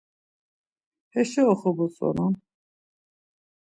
Heşo oxobotzonam.